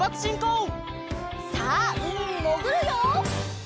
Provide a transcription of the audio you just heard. さあうみにもぐるよ！